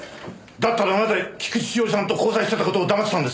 だったらなぜ菊地詩織さんと交際してた事を黙ってたんですか？